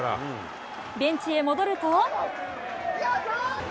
ベンチへ戻ると。